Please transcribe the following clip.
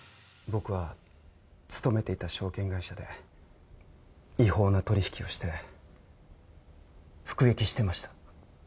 僕は、勤めていた証券会社で違法な取引をして服役していました。